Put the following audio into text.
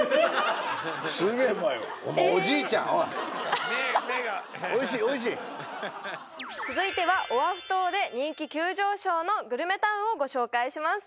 すげえうまいわ目目がおいしいおいしい続いてはオアフ島で人気急上昇のグルメタウンをご紹介します